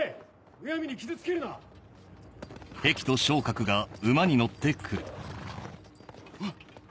むやみに傷つけるな・あっ！